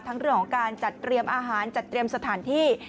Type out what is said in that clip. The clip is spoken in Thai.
เรื่องของการจัดเตรียมอาหารจัดเตรียมสถานที่